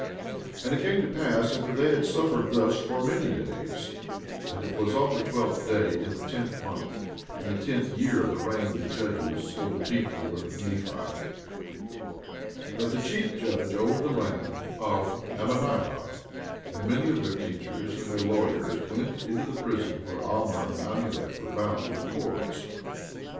14:23 And it came to pass after they had thus suffered for many days, (and it was on the twelfth day, in the tenth month, in the tenth year of the reign of the judges over the people of Nephi) that the chief judge over the land of Ammonihah and many of their teachers and their lawyers went in unto the prison where Alma and Amulek were bound with cords.